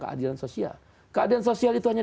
keadilan sosial keadilan sosial itu hanya